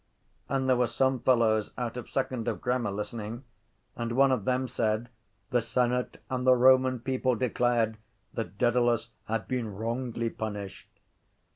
And there were some fellows out of second of grammar listening and one of them said: —The senate and the Roman people declared that Dedalus had been wrongly punished.